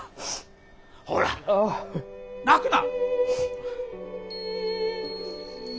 ほら泣くな。